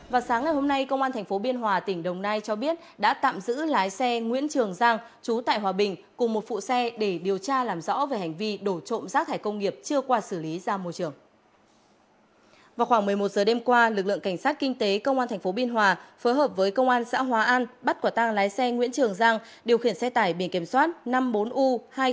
vào khoảng một mươi một giờ đêm qua lực lượng cảnh sát kinh tế công an tp binh hòa phối hợp với công an xã hóa an bắt quả tăng lái xe nguyễn trường giang điều khiển xe tải biển kiểm soát năm mươi bốn u hai nghìn bảy mươi bảy